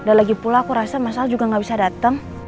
dan lagi pula aku rasa mas al juga gak bisa dateng